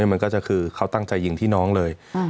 มันก็คือเขาตั้งใจยิงพี่น้องเลย